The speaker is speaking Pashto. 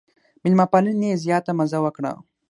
مېلمه پالنې یې زیاته مزه وکړه.